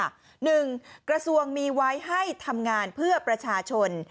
อีกข้อความหนึ่งกระทรวงมีไว้ให้ทำงานเพื่อประชาชน